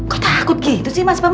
kok takut gitu sih mas bambang